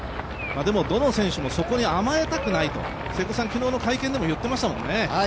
どの選手もこの条件に甘えたくないと昨日の会見でも言っていましたよね。